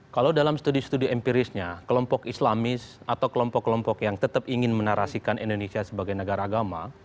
kalau dalam studi studi empirisnya kelompok islamis atau kelompok kelompok yang tetap ingin menarasikan indonesia sebagai negara agama